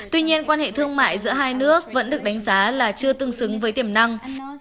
tuy nhiên quan hệ thương mại giữa hai nước vẫn được đánh giá là chưa tương xứng với tiềm năng